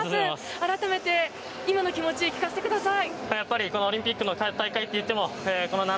改めて今の気持ちを聞かせてください。